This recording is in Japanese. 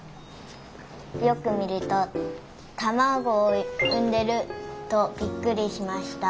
よくみるとたまごをうんでるとびっくりしました。